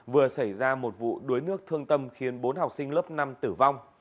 vừa xảy ra một vụ đuối nước thương tâm khiến bốn học sinh lớp năm tử vong